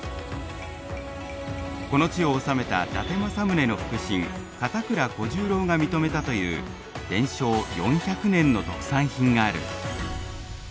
この地を治めた伊達政宗の腹心片倉小十郎が認めたという伝承４００年の特産品がある。